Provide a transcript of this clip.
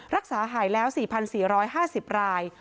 รักษาหายแล้ว๔๔๕๐ราย